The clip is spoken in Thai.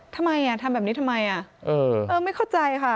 ทำไมอ่ะทำแบบนี้ทำไมไม่เข้าใจค่ะ